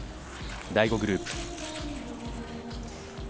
第５グループ。